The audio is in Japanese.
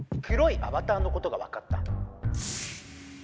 黒いアバターのことがわかった。